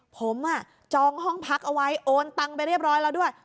ผมจองห้องพักเอาไว้โอนตังไปเรียบร้อยแล้วด้วย